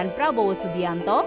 menteri pertahanan prabowo subianto